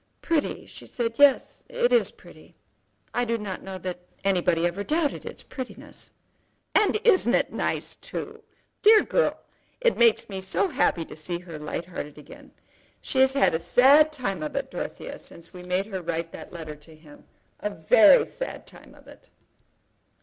"Pretty," she said; "yes, it is pretty. I do not know that anybody ever doubted its prettiness." "And isn't it nice too? Dear girl! It does make me so happy to see her light hearted again. She has had a sad time of it, Dorothea, since we made her write that letter to him; a very sad time of it."